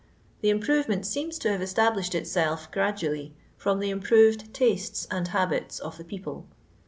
The improvement seems to have established itself gradually from the improTcd tutes and habits of the people.